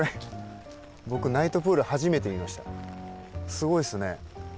すごいですね。